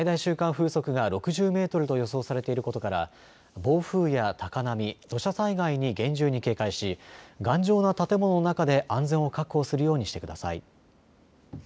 風速が６０メートルと予想されていることから暴風や高波、土砂災害に厳重に警戒し頑丈な建物の中で安全を確保するようにしてください。